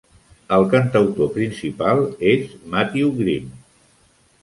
El cantautor principal és Matthew Grimm.